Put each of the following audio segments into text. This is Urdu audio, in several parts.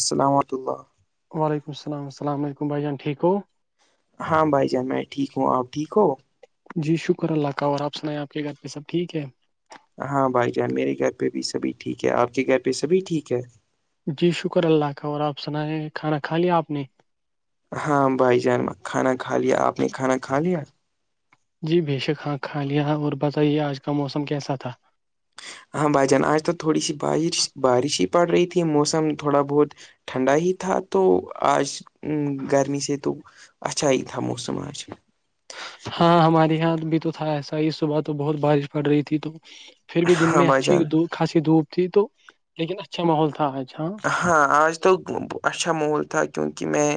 السلامۃہ اللہ وعلیکم السلام السلام علیکمھائی جان ٹھیک کو ہو ہاں بھائی جان میں ٹھیک ہوں آپ ٹھیک ہو جی شکر اللہ کا اور آپ سنیں آپ کے گھر پہ سب ٹھیک ہے ہاں بھائی جان میرے گھر پہ بھی سبھی ٹھیک ہے آپ کے گھر پہ سبھی ٹھیک ہے جی شکر اللہ کا اور آپ سنا ہے کھانا کھا لیا آپ نے ہاں بھائی جان کھانا کھا لیا آپ نے کھانا کھا لیا جی بے شک ہاں کالیااں اور بتائیے آج کا موسم کیسا تھا ہاں بھائی جان آج تو تھوڑی سی بارش بارش ہی پڑ رہی تھی موسم تھوڑا بہت ٹھنڈا ہی تھا تو آج گرمی سے تو اچھا ہی تھا موسم آج ہاں ہمارے یہاں بھی تو تھا ایسا ہی صبح تو بہت بارش پڑ رہی تھی تو پھر بھی دن ہاں میں بھائی اچھی جان د خھاسی دھوپ تھی تو لیکن اچھا ماحول تھا آج ہاں ہاں آج تو اچھا ماحول تھا کیونکہ میں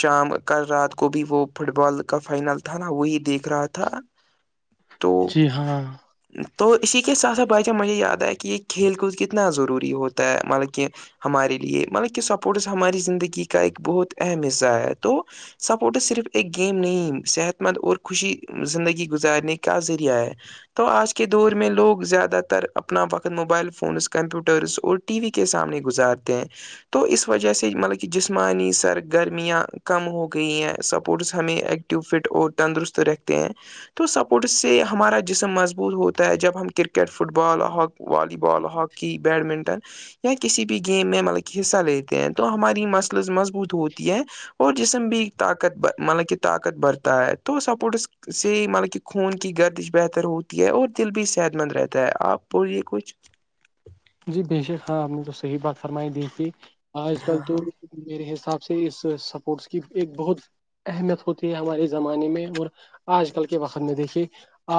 شام کل رات کو بھی وہ فٹ بال کا فائنل تھا نا وہی دیکھ رہا تھا [inaudible] ہاں [inaudible] تو اسی کے ساتھ ساتھ بائیچہ مجھے یاد آئے کہ یہ کھیل کود کتنا ضروری ہوتا ہے مطلب کہ ہمارے لیے مطلب کہ سپورٹس ہماری زندگی کا ایک بہت اہم حصہ ہے تو سپورٹس صرف ایک گیم نہیں صحت مند اور خوشی زندگی گزارنے کا ذریعہ ہے تو آج کے دور میں لوگ زیادہ تر اپنا وقت موبائل فونز کمپیوٹرز ا ٹی وی کے سامنے گزارتے ہیں تو اس وجہ سے مطلب کہ جسمانی سرگرمیاں کم ہو گئی ہیں سپورٹس ہمیں ایک ٹیوب فٹ اور تندرست رکھتے ہیں تو سپورٹس سے ہمارا جسم مضبوط ہوتا ہے جب ہم کرکٹ فٹ بال ہاک والی بال ہاک کی بیڈمنٹن یا کسی بھی گیم میں مطلب کہ حصہ لیتے ہیں تو ہماری مسلز مضبوط ہوتی ہیں اور جسم بھی طاقت مطلب کہ طاقت برتا ہے تو سپورٹس سے مطلب کہ خون کی گردش بہتر ہوتی ہے اور دل بھی صحت مند رہتا ہے آپ یہ کچھ جی بے شک ہاں آپ نے تو صحیح بات فرمائی دی تھی آج ہاں کل تو ہاں میرے حساب سے اس سپورٹس کی ایک بہت اہمیت ہوتی ہے ہمارے زمانے میں اور آج کل کے وقت میں دیکھیے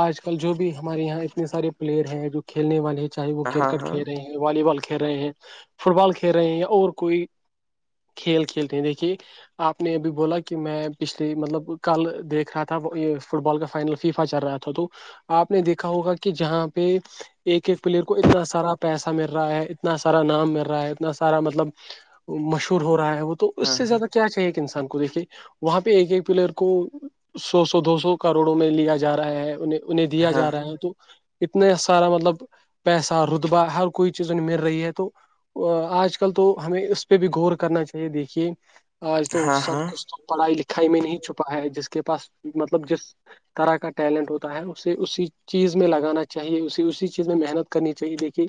آج کل جو بھی ہمارے یہاں اتنے سارے پلیئر ہیں جو کھیلنے والے ہیں چاہے وہ ہاں کرکٹ کھیل رہے والی بال کھیل رہے ہیں فٹ بال کھیل رہے ہیں اور کوئی کھیل کھیلتے ہیں دیکھیے آپ نے یہبھی بولا کہ میں پچھلیے مطلب کل دیکھ رہا تھا یہ فٹ بال کا فائنل اسیفا چل رہا تھا تو آپ نے دیکھا ہوگا کہ جہاں پہ ایک ایک پلیئر کو اتنا سارا پیسہ مل رہا ہے اتنا سارا نام مل رہا ہے اتنا سارا مطلب مشہور ہو رہا ہے وہ تو اس ہاں ہاں سے زیادہ کیا چاہیے کہ انسان کو دیکھیے وہاں پہ ایک ایک پلیئر کو سو سو دو سو کروڑوں میں لیا جا رہا ہے انہیں انہیں دیا ہاں ہاں جا رہا ہے تو اتنا سارا مطلب پیسہ ر بار ہر کوئی چیزیں مل رہی ہے تو آج کل تو ہمیں اس پہ بھی غور کرنا چاہیے دیکھیے آج تو ہاں سب ہاں کچھ تو پڑھائی لکھائی میں نہیں چھپا ہے جس کے پاس مطلب جس طرح کا ٹیلنٹ ہوتا ہے اسے اسی چیز میں لگانا چاہیے اس اسی چیز میں محنت کرنی چاہیے دیکھیے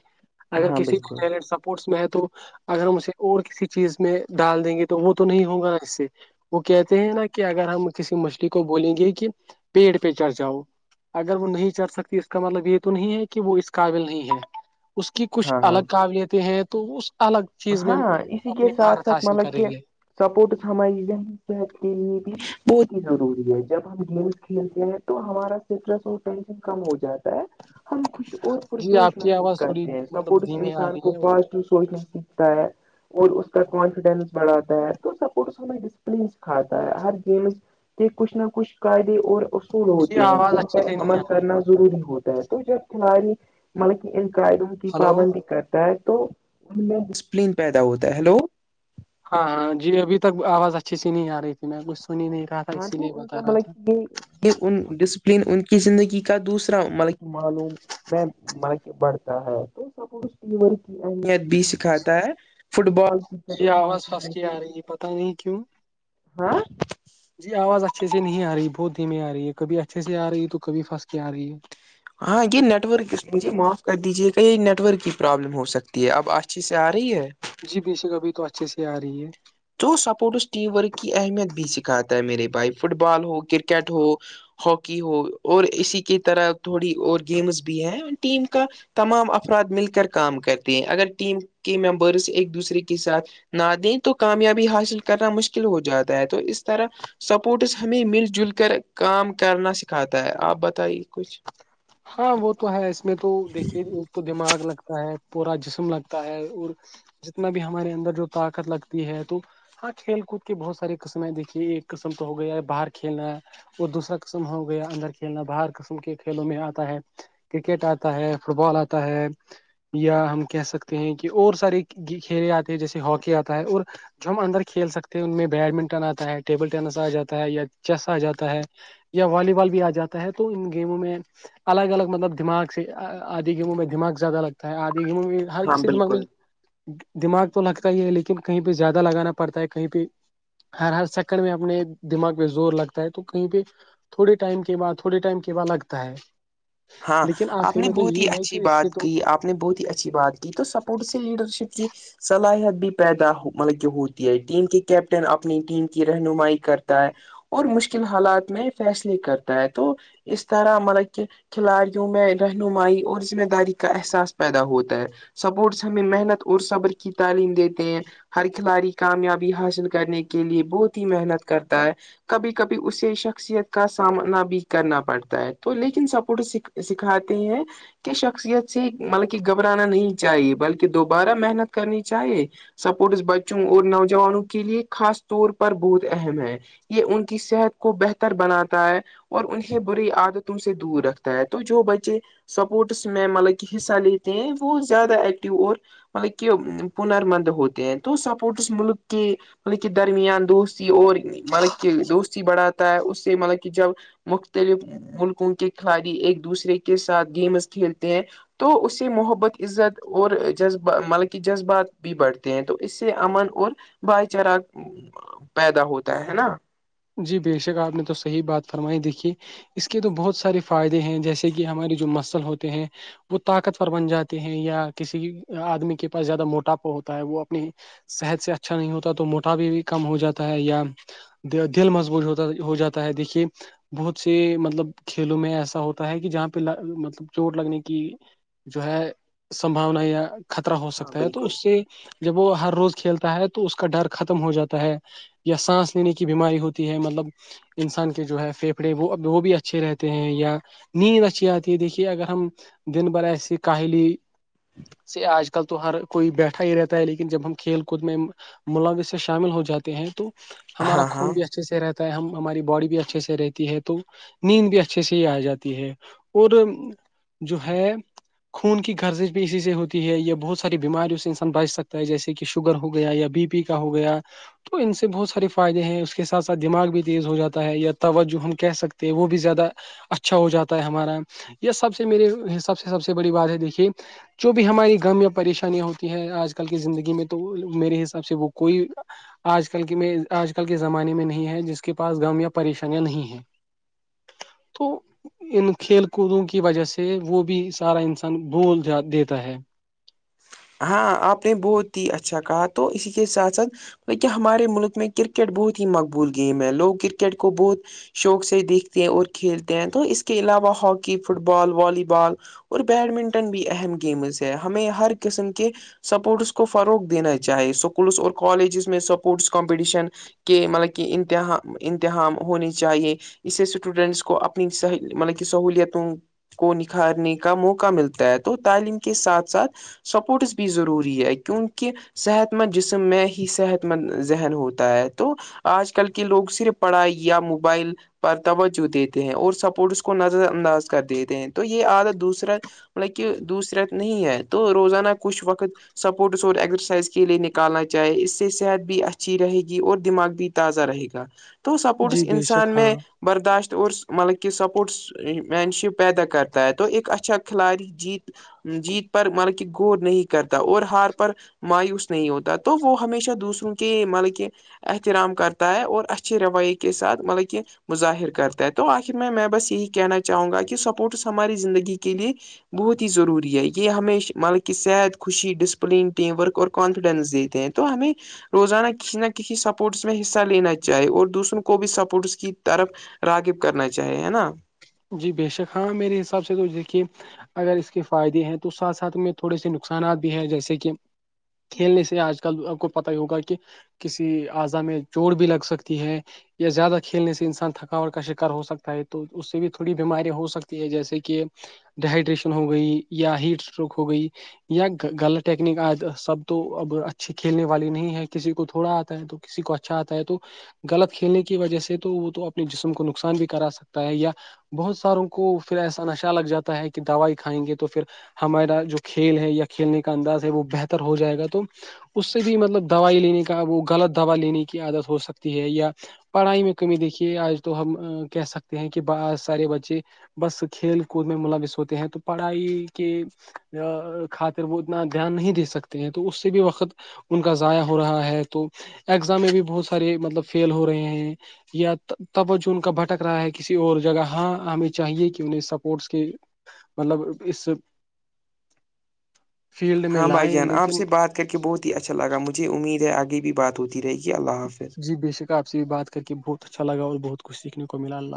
اگر ہاں کسی بالکل بھی اسپٹس میں ہے تو اگر ہم اسے اور کسی چیز میں ڈال دیں گے تو وہ تو نہیں ہوگا نا اس سے وہ کہتے ہیں نا کہ اگر ہم کسی مچھلی کو بولیں گے کہ پیڑ پہ چڑھ جاؤ اگر وہ نہیں چڑھ سکتی اس کا مطلب یہ تو نہیں ہے کہ وہ اس قابل نہیں ہے اس کی کچھ ہاں ہاں الگ قابلیتیں ہیں تو اس الگ چیز میں ہاں وہ اسی کے اپنی ساتھ مہارت ساتھ حاصل کر مطلب کہ رہی ہے سپورٹس ہماری ذہنی صحت کے لیے بھی بہت ہی ضروری ہے جب ہم گیمس کھیلتے ہیں [inaudible] تو ہمارا کتر سے ٹینشن کم ہو جاتا ہے [inaudible] ہم کچھ اور جی آپ پرجوش کی محسوس آواز تھوڑی کرتے ہیں مطلب سپورٹس دھیمی آ انسان رہی کو ہے پازیٹیو سوچنے سے پ [unintelligible] اور اس کا کانفیڈینس بڑھاتا ہے تو سپورٹس ہمیں ڈسپلین سکھاتا ہے ہر گیمز [inaudible] کہ کچھ نہ کچھ قاعدے اور اصول جی ہوتے ہیں آواز جن اچھے پر سے نہیں آ عمل رہی کرنا [inaudible] ضروری ہوتا ہے تو جب کھلاڑی مطلب کہ ان قعدوں کی ہلو پابندی کرتا ہے تو انپلین پیدا ہوتا ہے ہیلو ہاں ہاں جی ابھی تک آواز اچھی سی نہیں آ رہی تھی میں کچھ سن ہی نہیں رہا تھا ہاں اسی لیے تو ان بتا کا رہا تھا مطلب کہ یہ یہ ان ڈسپلین ان کی زندگی کا دوسرا مطلب کہ معلوم میں مر کے بڑھتا ہے تو سب اس ور کی اہمیت بھی سکھاتا ہے فٹ بال کرکٹ اور ہاکی جس میں [inaudible] پتا نہیں کیوں ہاں جی آواز اچھے سے نہیں آ رہی بہت دھیمی آ رہی ہے کبھی اچھے سے آ رہی ہے تو کبھی پھنس کے آ رہی ہے ہاں یہ نیٹ ورک مجھے معاف کر دیجیے گا یہ نیٹ ورک کی پرابلم ہو سکتی ہے تی اب آج چیز سے آ رہی ہے [unintelligible] جی بشک ابھی تو اچھے سے ہی آ رہی ہے تو سپورٹس ٹیم ورک کی اہمیت بھی سکھاتا ہے میرے بھائی فٹ بال ہو کرکٹ ہو ہاکی ہو اور اسی کی طرح تھوڑی اور گیمز بھی ہے ٹیم کا تمام افراد مل کر کام کرتے ہیں اگر ٹیم کے ممبرس ایک دوسرے کے ساتھ نہ دیں تو کامیابی حاصل کرنا مشکل ہو جاتا ہے تو اس طرح سپورٹس ہمیں مل جل کر کام کرنا سکھاتا ہے آپ بتائیے کچھ ہاں وہ تو ہے اس میں تو دیکھیے کو دماغ لگتا ہے پورا جسم لگتا ہے اور جتنا بھی ہمارے اندر جو طاقت لگتی ہے تو ہاں کھیل کود کے بہت سارے قسم ہیں دیکھیے ایک قسم تو ہو گیا ہے باہر کھیلنا ہے اور دوسرا قسم ہو گیا اندر کھیلنا باہر قسم کے کھیلوں میں آتا تا ہے کرکٹ آتا ہے فٹ بال آتا ہے [unintelligible] یا ہم کہہ سکتے ہیں کہ اور سارے کھیلے آتے ہیں جیسے ہاکی آتا ہے اور جو ہم اندر کھیل سکتے ہیں ان میں بیڈمنٹن آتا ہے ٹیبل ٹینس آ جاتا ہے یا چیس آ جاتا ہے یا والی بال بھی آ جاتا ہے تو ان گیموں میں الگ الگ مطلب دماغ سےدھی گیموں میں دماغ زیادہ لگتا ہے آدھی گیموں میں ہر ہاں کسی دماغ میں بالکل دماغ تو لگتا ہی ہے لیکن کہیں پہ زیادہ لگانا پڑتا ہے کہیں پہ ہر ہر سیکنڈ میں اپنے دماغ پہ زور لگتا ہے تو کہیں پہ تھوڑے ٹائم کے بعد تھوڑے ٹائم کے بعد لگتا ہے ہاں لیکن آپ آخر نے میں تو بہت ہی یہی ہے کہ اچھی اس سے بات تو کی آپ نے بہت ہی اچھی بات تو سپورٹ سے لیڈر شپ کی صلاحیت بھی پیدا مطلب کہ ہوتی ہے ٹیم کے کیپٹن اپنی ٹیم کی رہنمائی کرتا ہے اور مشکل حالات میں فیصلے کرتا ہے تو اس طرح مطلب کہ کھلاڑیوں میں رہنمائی اور ذمہ داری کا احساس پیدا ہوتا ہے سپورٹس ہمیں محنت اور صبر کی تعلیم دیتے ہیں ہر کھلاڑی کامیابی حاصل کرنے کے لیے بہت ہی محنت کرتا ہے کبھی کبھی اسے شخصیت کا سامنا بھی کرنا پڑتا ہے تو لیکن سب پ س سکھاتے ہیں کہ شخصیت سے مطلب کہ گھبرانا نہیں چاہیے بلکہ دوبارہ محنت کرنی چاہیے سپورٹس بچوں اور نوجوانوں کے لیے خاص طور پر بہت اہم ہے یہ ان کی صحت کو بہتر بناتا ہے اور انہیں بری عادتوں سے دور رکھتا ہے تو جو بچے سپورٹس میں مطلب کہ حصہ لیتے ہیں وہ زیادہ ایکٹیو اور مطلب کہ پنر مند ہوتے ہیں تو سپورٹس ملک کے مطلب کہ درمیان دوستی اور مطلب کہ دوستی بڑھاتا ہے اس سے مطلب کہ جب مختلف ملکوں کے کھلاڑی ایک دوسرے کے ساتھ گیمز کھیلتے ہیں تو اس سے محبت عزت اور جذبہ مطلب کہ جذبات بھی بڑھتے ہیں تو اس سے امن اور بھائی چارہ پیدا ہوتا ہے نا جی بے شک آپ نے تو صحیح بات فرمائی دیکھی اس کے تو بہت سارے فائدے ہیں جیسے کہ ہماری جو مسل ہوتے ہیں وہ طاقتور بن جاتے ہیں یا کسی آدمی کے پاس زیادہ موٹاپا ہوتا ہے وہ اپنی صحت سے اچھا نہیں ہوتا تو موٹا بھی کم ہو جاتا ہے یا دل مضبوط ہوتا ہو جاتا ہے دیکھیے بہت سے مطلب کھیلوں میں ایسا ہوتا ہے کہ جہاں پہ مطلب چوٹ لگنے کی جو ہے سمباونا یا خطرہ ہو ہاں سکتا ہے تو بالکل اس سے جب وہ ہر روز کھیلتا ہے تو اس کا ڈر ختم ہو جاتا ہے یا سانس لینے کی کی بیماری ہوتی ہے مطلب انسان کے جو ہے پھیپڑے وہ وہ بھی اچھے رہتے ہیں یا نیند اچھی آتی ہے دیکھیے اگر ہم دن بھر ایسی کاہلی سے آج کل تو ہر کوئی بیٹھا ہی رہتا ہے لیکن جب ہم کھیل کود میں ملاز سے شامل ہو جاتے ہیں تو ہمارا ہاں ہاں خون بھی اچھے سے رہتا ہے ہم ہماری باڈی بھی اچھے سے رہتی ہے تو نیند بھی اچھے سے ہی آ جاتی ہے اور جو ہے خون کی گرزش بھی اسی سے ہوتی ہے یا بہت ساری بیماریوں سے انسان بچ سکتا ہے جیسے کہ شوگر ہو گیا یا بی پی ہو گیا تو ان سے بہت سارے فائدے ہیں اس اس کے ساتھ ساتھ دماغ بھی تیز ہو جاتا ہے یا توجہ ہم کہہ سکتے ہیں وہ بھی زیادہ اچھا ہو جاتا ہے ہمارا یہ سب سے میرے سب سے سب سے بڑی بات ہے دیکھیے جو بھی ہماری غم یا پریشانیاں ہوتی ہیں آج کل کی زندگی میں تو میرے حساب سے وہ کوئی آج کل کی آج کل کے زمانے میں نہیں ہے جس کے پاس غم یا پریشانیاں نہیں ہیں تو ان کھیل کودوں کی وجہ سے وہ بھی سارا انسان بول جا دیتا ہے ہاں آپ نے بہت ہی اچھا کہا تو اسی کے ساتھ ساتھ ب کیا ہمارے ملک میں کرکٹ بہت ہی مقبول گیم ہے لوگ کرکٹ کو بہت شوق سے دیکھتے ہیں اور کھیلتے ہیں تو اس کے علاوہ hockey football volleyball اور بیڈمنٹن بھی اہم گیمز ہے ہمیں ہر قسم کے سپورٹس کو فروغ دینا چاہے اسکولس اور کالجز میں سپورٹس کمپٹیشن کہ مطلب کہ انتا امتحان ہونی چاہیے اس سے اسٹوڈینٹس کو اپنی مطلب کہ سہولتوں کو نکھارنے کا موقع ملتا ہے تو تعلیم کے ساتھ ساتھ سپورٹس بھی ضروری ہے کیونکہ صحت مند جسم میں ہی صحت مند ذہن ہوتا ہے تو آج کل کے لوگ صرف پڑھائی یا موبائل پر توجہ دیتے ہیں اور سپورٹس کو نظر انداز کر دیتے ہیں تو یہ آدھا دوسرا مطلب کہ دوسرات نہیں ہے تو روزانہ کچھ وقت سپورٹس اور ایکسرسائز کے لیے نکالنا چاہے اس سے صحت بھی اچھی رہے گی اور دماغ بھی تازہ رہے گا تو جی سپورٹس بے شک انسان میں ہاں برداشت اور مطلب کہ سپورٹس مین شپ پیدا کرتا ہے تو ایک اچھا کھلاڑی جیت جیت پر ملب کہ گور نہیں کرتا اور ہار پر مایوس نہیں ہوتا تو وہ ہمیشہ دوسروں کے مطلب کہ احترام کرتا ہے اور اچھے رویے کے ساتھ مطلب کہ مظاہر کرتا ہے تو آخر میں میں بس یہی کہنا چاہوں گا کہ سپورٹس ہماری زندگی کے لیے بہت ہی ضروری ہے یہ یہ ہمیںش مطلب کہ صحت خوشی ڈسپلین ٹیم ورک اور کانفیڈینس دیتے ہیں تو ہمیں روزانہ کسی نہ کسی سپورٹس میں حصہ لینا چاہے اور دوسروں کو بھی سپورٹس کی طرف راغب کرنا چاہیے ہے نا جی بے شک ہاں میرے حساب سے تو دیکھیے اگر اس کے فائدے ہیں تو ساتھ ساتھ میں تھوڑے سے نقصانات بھی ہے جیسے کہ کھیلنے سے آج کل کو پت ہی ہوگا کہ کسی اعضا میں چور بھی لگ سکتی ہے یا زیادہ کھیلنے سے انسان تھکاوٹ کا شکار ہو سکتا ہے تو اس سے بھی تھوڑی بیمارییاں ہو سکتی ہے جیسے کہ ڈیہائیڈریشن ہو گئی یا ہیٹ اسٹروک ہو گئی یا غلط ٹیکنک آ سب تو اب اچھی کھیلنے والی نہیں ہے کسی کو تھوڑا آتا ہے تو کسی کو اچھا آتا ہے تو غلط کھیلنے کی وجہ سے تو وہ تو اپنے جسم کو نقصان بھی کرا سکتا ہے یا بہت ساروں کو پھر ایسا نشہ لگ جاتا ہے کہ دوائی کھائیں گے تو پھر ہمارا جو کھیل ہے یا کھیلنے کا انداز ہے وہ بہتر ہو جائے گا تو اس سے بھی مطلب دوائی لینے کا وہ غلط دوا لینے کی عادت ہو سکتی ہے یا پڑھائی میں کمی دیکھیے آج تو ہم کہہ سکتے ہیں کہ بس سارے بچے بس کھیل کود میں ملوث ہوتے ہیں تو پڑھائی کے ا خاطر وہ اتنا دھیان نہیں دے سکتے ہیں تو اس سے بھی وقت ان کا ضائع ہو رہا ہے تو ایگزام میں بھی بہت سارے مطلب فیل ہو رہے ہیں یا توج ان کا بھٹک رہا ہے کسی اور جگہ ہاں ہمیں چاہیے کہ انہیں سپورٹس کے مطلب اس [unintelligible] ہاں بھائی لائیں جان آپ لیکن سے بات کر کے بہت ہی اچھا لگا مجھے امید ہے آگے بھی بات ہوتی رہے گی اللہ حافظ آ سے بھیات کر بہت اچھا لا اور بہت کچ سیکھنے کو ملا اللہ